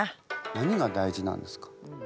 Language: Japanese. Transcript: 何が大事なんですか？